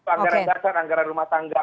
anggaran dasar anggaran rumah tangga